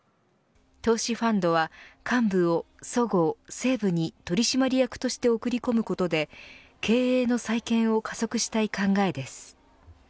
投資ファンドは幹部をそごう・西武に取締役として送り込むことで経営の再建を加速したい考えです。